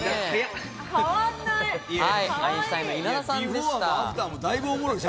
アインシュタインの稲田さんでした。